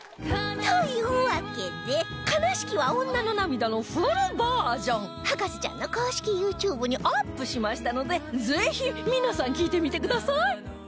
というわけで『哀しきは女の涙』のフルバージョン『博士ちゃん』の公式 ＹｏｕＴｕｂｅ にアップしましたのでぜひ皆さん聴いてみてください